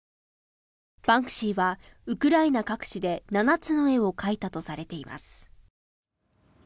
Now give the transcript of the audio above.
バンクシーはウクライナ各地で７つの画を描いたとされています。